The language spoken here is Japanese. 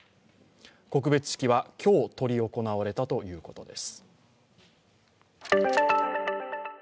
告別式は今日、執り行われたということです。